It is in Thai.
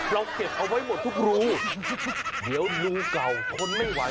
เราเก็บเอาไว้หมดทุกรูเดี๋ยวงูเก่าทนไม่ไหว